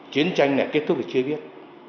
chiến tranh này kết thúc thì chưa biết